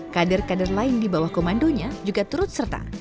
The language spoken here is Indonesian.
kader kader lain di bawah komandonya juga turut serta